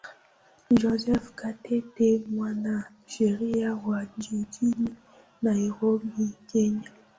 ni joseph katete mwanasheria wa jijini nairobi kenya